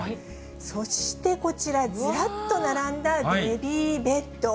そしてこちら、ずらっと並んだベビーベッド。